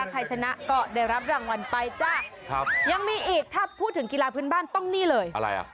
ใครชนะก็ได้รับรางวัลไปจ้ะครับยังมีอีกถ้าพูดถึงกีฬาพื้นบ้านต้องนี่เลยอะไรอ่ะ